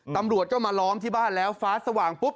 ตำรวจก็มาล้อมที่บ้านแล้วฟ้าสว่างปุ๊บ